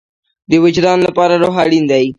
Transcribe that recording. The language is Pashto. د وجدان لپاره روح اړین دی